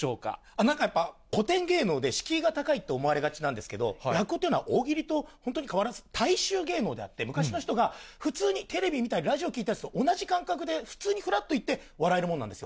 なんかやっぱり、古典芸能で、敷居が高いって思われがちなんですけれども、落語っていうのは、大喜利と本当に変わらず、大衆芸能であって、昔の人が、普通にテレビ見たり、ラジオ聞いたりするのと同じ感覚で、普通にふらっと行って笑えるものなんですよ。